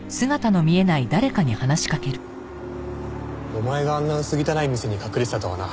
お前があんな薄汚い店に隠れてたとはな。